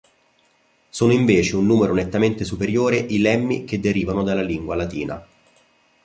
Sono invece un numero nettamente superiore i lemmi che derivano dalla lingua latina.